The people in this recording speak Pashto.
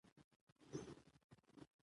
پخوا به دا غونډه د ډسمبر په میاشت کې وه.